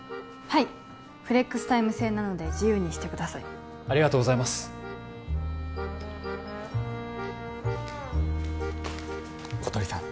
はいフレックスタイム制なので自由にしてくださいありがとうございます小鳥さん